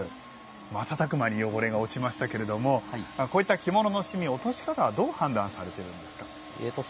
瞬く間に汚れが落ちましたけれどもこういった着物の染み落とし方はどう判断されているんですか。